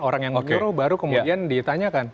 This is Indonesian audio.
orang yang menyuruh baru kemudian ditanyakan